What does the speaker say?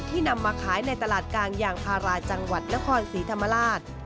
นำมาขายในตลาดกลางยางพาราจังหวัดนครศรีธรรมราช